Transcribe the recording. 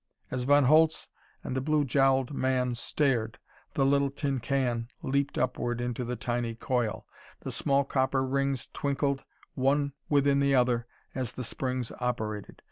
As Von Holtz and the blue jowled man stared, the little tin can leaped upward into the tiny coil. The small copper rings twinkled one within the other as the springs operated.